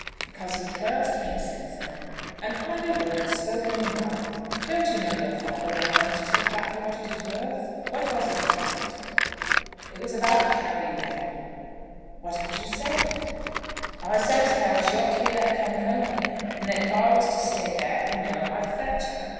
"Because he cursed me," said Sam. "An idle word, spoken in wrath! Don't you know your father well enough to take that for what it is worth? What was it about?" "It was about Carry, then." "What had you said?" "I said as how she ought to be let come home again, and that if I was to stay there at the mill, I'd fetch her.